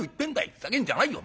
ふざけんじゃないよ。